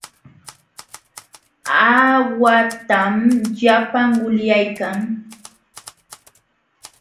Aawahtam llapan ulyaykan.